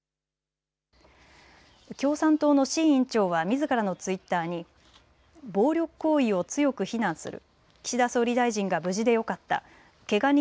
共産党の志位委員長はみずからのツイッターに暴力行為を強く非難する。